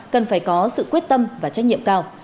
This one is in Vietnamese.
cần phải có sự quyết tâm và trách nhiệm cao